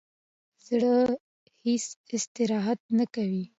زړه هیڅ استراحت نه کوي